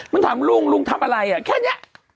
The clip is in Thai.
มันถามลุงลุงทำอะไรแค่นี้